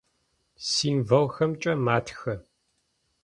Символхэмкӏэ матхэ.